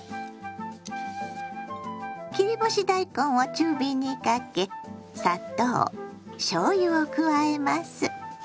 切り干し大根を中火にかけ砂糖しょうゆを加えます。